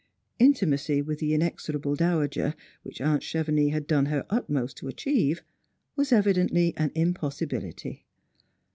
Intimacy with the inexorable dowager, which aunt Chevenix had done her utmost to achieve, was evidently an impossibilit}'.